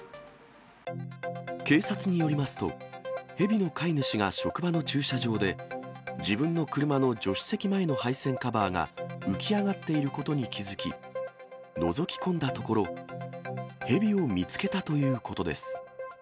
警察によりますと、ヘビの飼い主が職場の駐車場で、自分の車の助手席前の配線カバーが浮き上がっていることに気付き、のぞき込んだところ、ヘビを見つけたということです。